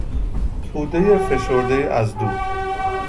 تودهی فشردهای از دود